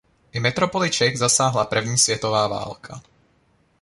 I metropoli Čech zasáhla první světová válka.